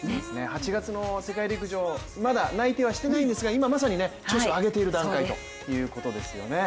８月の世界陸上、まだ内定はしていないんですが、今まさに調子を上げている段階ということですよね。